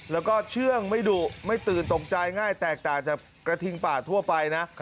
แล้วก็เชื่องไม่ดุไม่ตื่นตกใจง่ายแตกต่างจากกระทิงป่าทั่วไปนะ